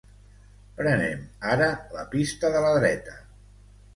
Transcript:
Prenem, ara, la pista de la dreta.